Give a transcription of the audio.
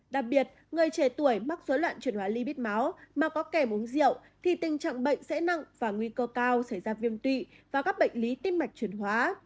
đặc biệt người trẻ tuổi mắc dối loạn chuyển hóa ly bít máu mà có kèm uống rượu thì tình trạng bệnh sẽ nặng và nguy cơ cao xảy ra viêm tụy và các bệnh lý tim mạch chuyển hóa